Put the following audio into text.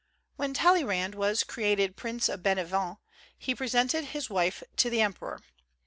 When Talleyrand was created Prince of lu'ru'vent, he presented his wife to the emperor.